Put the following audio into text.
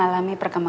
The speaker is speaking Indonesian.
gak ada nuw bambu